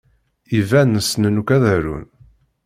Iban ssnen akk ad arun.